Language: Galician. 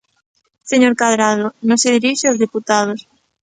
Señor Cadrado, non se dirixa aos deputados.